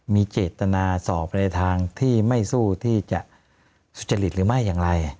มีเจตนาสอบในทางที่ไม่สู้ที่จะสุจริตหรือไม่อย่างไร